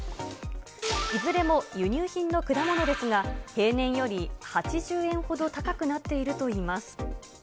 いずれも輸入品の果物ですが、平年より８０円ほど高くなっているといいます。